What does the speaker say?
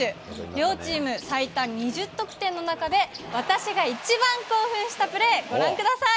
両チーム最多２０得点の中で、私が一番興奮したプレー、ご覧ください。